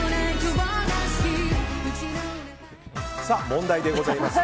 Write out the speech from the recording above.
問題でございます。